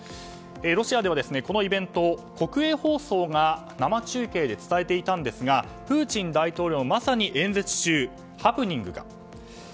ロシアではこのイベントを国営放送が生中継で伝えていたんですがプーチン大統領のまさに演説中、ハプニングが。